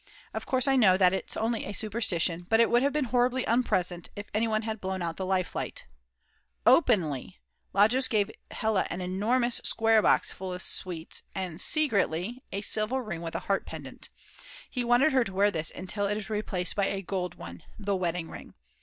Of course I know that it's only a superstition, but it would have been horribly unpleasant if anyone had blown out the life light. Openly!! Lajos gave Hella an enormous square box of sweets, and secretly!! a silver ring with a heart pendant. He wanted her to wear this until it is replaced by a gold one the wedding ring.